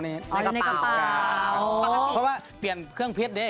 เพราะว่าเปลี่ยนเครื่องเพียสได้